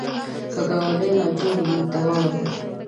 که ګاونډی ناجوړه وي، دوا ورته وړه